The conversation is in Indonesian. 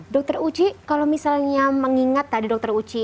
dr uci kalau misalnya mengingat tadi dokter uci